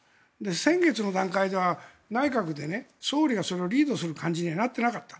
先月の段階では内閣で総理がそれをリードする形になっていなかった。